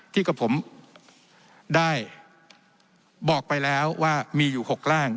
ที่กับผมได้บอกไปแล้วว่ามีอยู่๖ร่าง